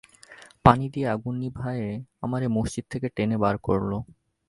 পানি দিয়ে আগুন নিভায়ে আমারে মসজিদ থেকে টেনে বার করল!